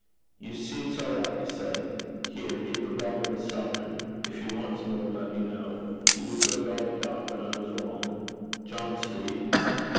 'You see it's all right,' he said. 'Here, give the barman a sovereign. If he wants more, let me know. He deserved all he got, but I was wrong. John Street.'